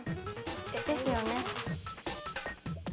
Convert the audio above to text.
ですよね。